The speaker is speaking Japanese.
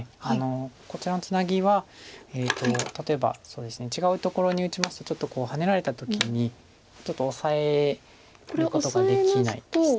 こちらのツナギは例えば違うところに打ちますとハネられた時にちょっとオサえることができないです。